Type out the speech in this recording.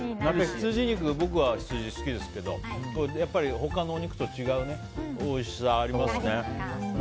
僕は羊、好きですけどやっぱり他のお肉と違うおいしさがありますね。